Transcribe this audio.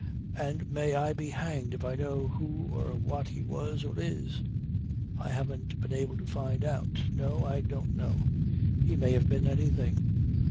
And may I be hanged if I know who or what he was or is. I haven't been able to find out. No, I don't know. He may have been anything.